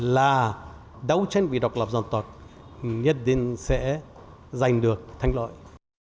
là đấu tranh vì độc lập dân tộc nhất định sẽ giành được thắng lợi